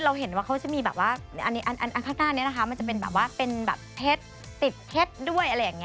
เราเห็นว่ามันจะมีข้างหน้านี้มันจะมีเพศอะละ